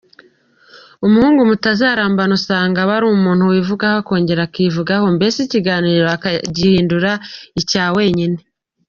Umuhungu mutazarambana usanga aba ari umuntu wivuga akongera akivugaho, mbese ikiganiro akagihindura icya wenyine.